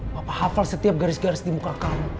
bapak hafal setiap garis garis di muka kamu